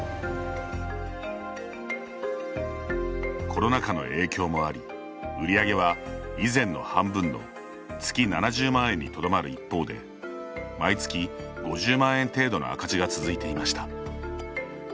コロナ禍の影響もあり売り上げは以前の半分の月７０万円にとどまる一方で毎月、５０万円程度の赤字が続いていました。